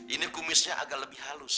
ini kumisnya agak lebih halus